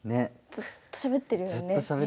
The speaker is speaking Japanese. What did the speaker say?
ずっと、しゃべってますね。